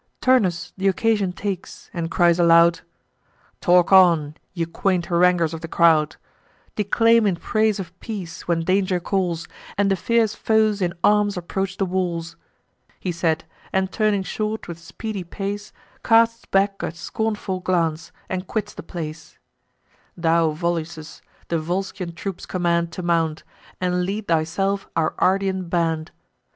Turnus th' occasion takes, and cries aloud: "Talk on, ye quaint haranguers of the crowd: Declaim in praise of peace, when danger calls, And the fierce foes in arms approach the walls." He said, and, turning short, with speedy pace, Casts back a scornful glance, and quits the place: "Thou, Volusus, the Volscian troops command To mount; and lead thyself our Ardean band.